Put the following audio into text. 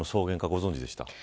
ご存じでしたか。